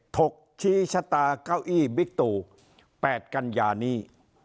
ทกชิชตาเก้าอี้บิตุแปดกันยานี้